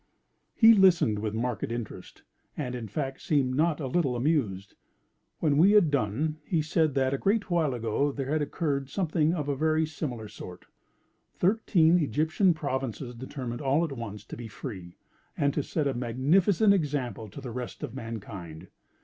He listened with marked interest, and in fact seemed not a little amused. When we had done, he said that, a great while ago, there had occurred something of a very similar sort. Thirteen Egyptian provinces determined all at once to be free, and to set a magnificent example to the rest of mankind.